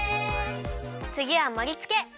つぎはもりつけ！